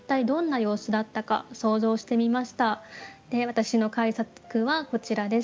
私の改作はこちらです。